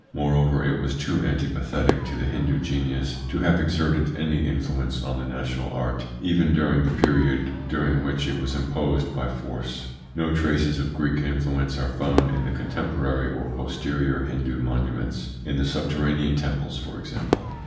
More over it was too antipathetic to the Hindu genius to have exerted any influence on the national art even during the period during which it was imposed by force. No traces of Greek influence are found in the contemporary or posterior Hindu monuments, in the subterranean temples for example.